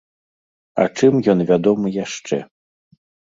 А чым ён вядомы яшчэ?